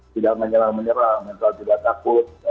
tidak menyerah menyerah mental tidak takut